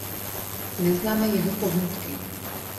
Neznáme jeho pohnutky.